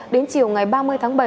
đến chiều ngày ba mươi tháng bảy